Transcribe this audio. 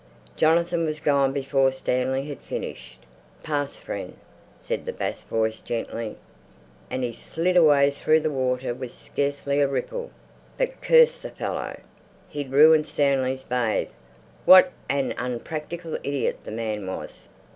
Jonathan was gone before Stanley had finished. "Pass, friend!" said the bass voice gently, and he slid away through the water with scarcely a ripple.... But curse the fellow! He'd ruined Stanley's bathe. What an unpractical idiot the man was!